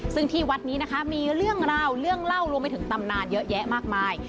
ซึ่งที่วัดนี้นะคะมีเรื่องราวเรื่องเล่ารวมไปถึงตำนานเยอะแยะมากมาย